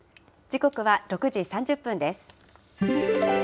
時刻は６時３０分です。